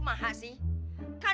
pak haji punya enak ya